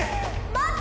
待って！